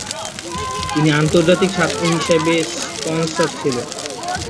তিনি আন্তর্জাতিক ছাত্র হিসাবে স্পনসর ছিল।